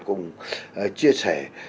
cùng chia sẻ